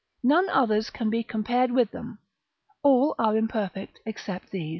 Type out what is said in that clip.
None others can be compared with them: all are imperfect except these.